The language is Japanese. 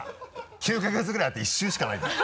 ９か月ぐらいあって１週しかないんだよ。